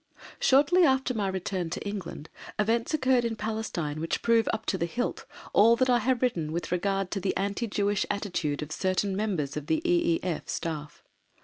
Shortly after my return to England events occurred in Palestine which prove up to the hilt all that I have written with regard to the anti Jewish attitude of certain members of the E.E.F. Staff.